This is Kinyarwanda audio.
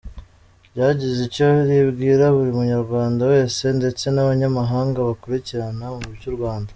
Ryagize icyo ribwira buri munyarwanda wese ndetse n’abanyamahanga bakurikirana iby’u Rwanda.